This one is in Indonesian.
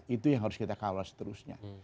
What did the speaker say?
itu yang harus kita kawal seterusnya